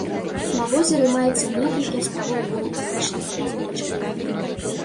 На возеры маецца некалькі астравоў вулканічнага паходжання.